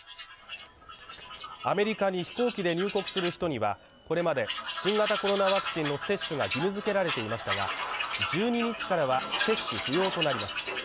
アメリカに飛行機で入国する人には、これまで新型コロナワクチンの接種が義務付けられていましたが、１２日からは接種不要となります。